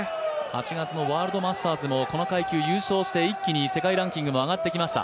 ８月のワールドマスターズもこの階級優勝して、ランキングも一気に上がってきました。